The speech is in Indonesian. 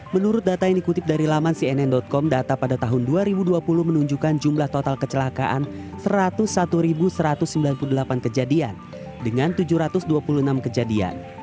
menurut data yang dikutip dari laman cnn com data pada tahun dua ribu dua puluh menunjukkan jumlah total kecelakaan satu ratus satu satu ratus sembilan puluh delapan kejadian dengan tujuh ratus dua puluh enam kejadian